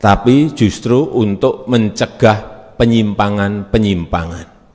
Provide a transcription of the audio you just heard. tapi justru untuk mencegah penyimpangan penyimpangan